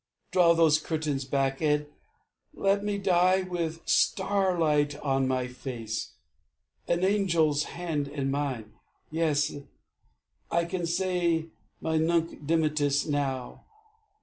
Draw those curtains back, And let me die with starlight on my face. An angel's hand in mine ... yes; I can say My nunc dimittis now